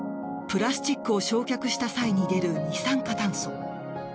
プラスチックを焼却した際に出る二酸化炭素。